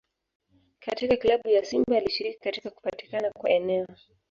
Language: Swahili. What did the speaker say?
Katika Klabu ya Simba alishiriki katika kupatikana kwa eneo